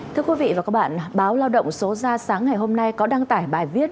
thưa quý vị và các bạn báo lao động số ra sáng ngày hôm nay có đăng tải bài viết